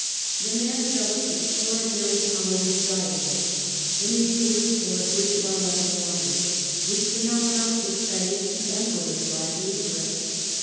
The man developed extraordinary powers of diving and enduring for a great while under water, which phenomenon excited the Emperor's lively interest.